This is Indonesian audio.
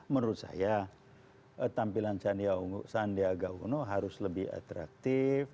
menurut saya tampilan sandiaga uno harus lebih atraktif